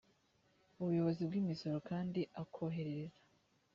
ubuyobozi bw’imisoro kandi akoherereza